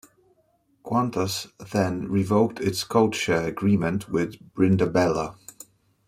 Qantas then revoked its codeshare agreement with Brindabella.